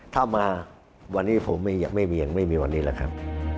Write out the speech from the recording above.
ถ้ามาวันนี้ผมยังไม่เวียงไม่มีวันนี้แหละครับ